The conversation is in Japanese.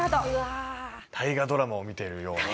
大河ドラマを見ているような。